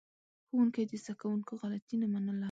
ښوونکي د زده کوونکو غلطي نه منله.